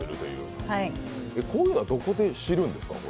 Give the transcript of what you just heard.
こういうのはどこで知るんですか？